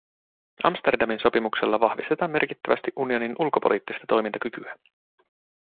Amsterdamin sopimuksella vahvistetaan merkittävästi unionin ulkopoliittista toimintakykyä.